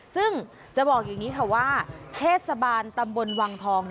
ซึ่งจะบอกอย่างนี้ค่ะว่าเทศบาลตำบลวังทอง